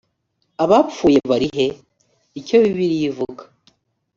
abapfuye bari he icyo bibiliya ivuga